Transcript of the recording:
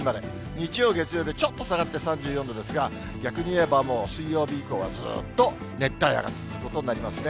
日曜、月曜でちょっと下がって３４度ですが、逆に言えばもう、水曜日以降はずっと熱帯夜が続くことになりますね。